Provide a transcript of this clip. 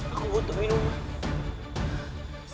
aku butuh minuman